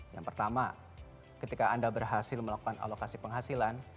yang pertama ketika anda berhasil melakukan alokasi penghasilan